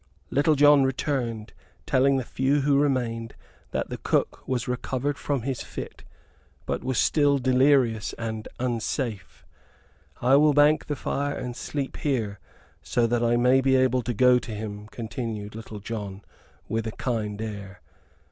Little John returned, telling the few who remained that the cook was recovered from his fit; but was still delirious and unsafe. "I will bank the fire and sleep here, so that I may be able to go to him," continued Little John, with a kind air.